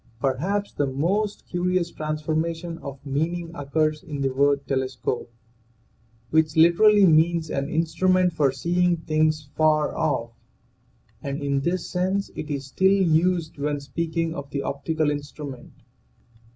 Perhaps the most curious transformation of meaning occurs in the word telescope, which literally means an in strument for seeing things afar off, and in this sense it is still used when speaking of the optical^ instrument.